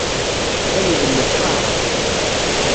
Atan ilemmed taɛrabt.